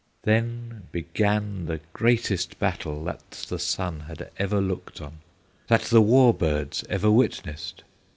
Then began the greatest battle That the sun had ever looked on, That the war birds ever witnessed.